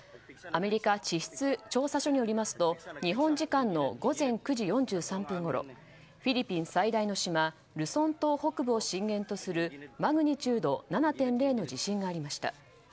アメリカ地質調査所によりますと日本時間の午前９時４３分ごろフィリピン最大の島ルソン島北部を震源とするマグニチュード７．０の地震がありました。